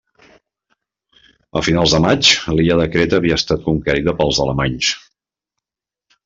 A finals de maig, l'illa de Creta havia estat conquerida pels alemanys.